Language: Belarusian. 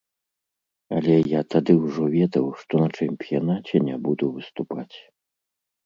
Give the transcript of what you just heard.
Але я тады ўжо ведаў, што на чэмпіянаце не буду выступаць.